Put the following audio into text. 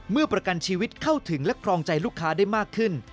ประกันชีวิตเข้าถึงและครองใจลูกค้าได้มากขึ้น